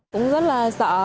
cũng rất là sợ